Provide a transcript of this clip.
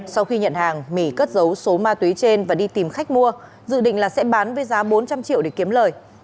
sau khi nhận hàng mỹ cất dấu số ma túy trên và đi tìm khách mua dự định là sẽ bán với giá bốn trăm linh triệu để kiếm lời